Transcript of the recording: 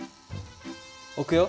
置くよ。